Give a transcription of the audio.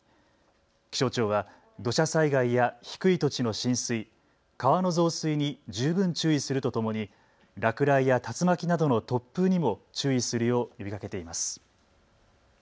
気象庁は土砂災害や低い土地の浸水、川の増水に十分注意するとともに落雷や竜巻などの突風にも注意するよう呼びかけています。